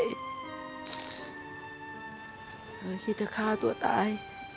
เลยคิดจะฆ่าตัวตาย